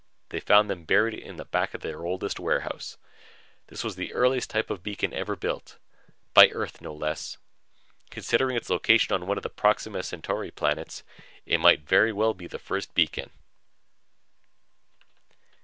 They found them buried in the back of their oldest warehouse. This was the earliest type of beacon ever built by Earth, no less. Considering its location on one of the Proxima Centauri planets, it might very well be the first beacon."